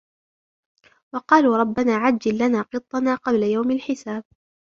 وقالوا ربنا عجل لنا قطنا قبل يوم الحساب